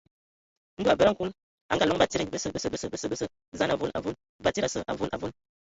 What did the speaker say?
Ndɔ a abed a nkul, a ngaaloŋ batsidi: bəsǝ, bəsǝ, bəsǝ, bəsǝ, bəsǝ, zaan avol, avol, batsidi asə, avol avol.